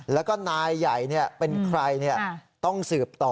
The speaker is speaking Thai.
แล้วก็นายใหญ่เป็นใครต้องสืบต่อ